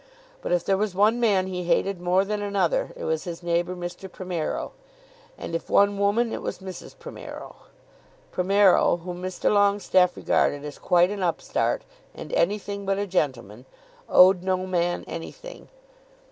But if there was one man he hated more than another, it was his neighbour Mr. Primero; and if one woman, it was Mrs. Primero. Primero, whom Mr. Longestaffe regarded as quite an upstart, and anything but a gentleman, owed no man anything.